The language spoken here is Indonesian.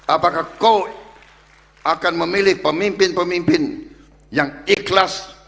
apakah kau akan memilih pemimpin pemimpin yang ikhlas